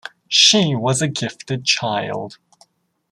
She was a gifted child.